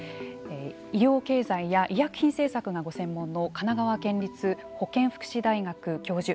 医療経済や医薬品政策がご専門の神奈川県立保健福祉大学教授